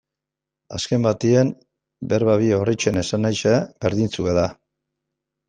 Azken batean, hitz bi horien esanahia berdintsua da.